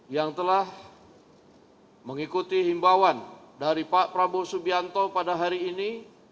yang telah mengikuti himbawan dari pak prabowo subianto pada hari ini